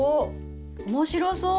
面白そう！